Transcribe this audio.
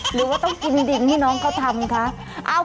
หรือว่าต้องกินดินให้น้องเขาทำคะ